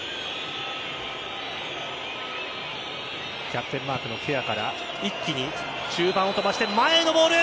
キャプテンマークのケアから一気に中盤を飛ばして前へのボール。